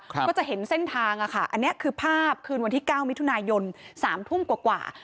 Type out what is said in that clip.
ก็จะเห็นเส้นทางอ่ะค่ะอันนี้คือภาพคืนวันที่เก้ามิถุนายนสามทุ่มกว่า